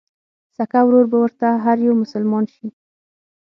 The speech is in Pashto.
سکه ورور به ورته هر يو مسلمان شي